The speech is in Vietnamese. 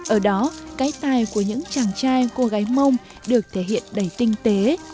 ở đó cái tài của những chàng trai cô gái mông được thể hiện đầy tinh tế